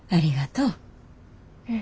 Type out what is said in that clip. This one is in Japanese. うん。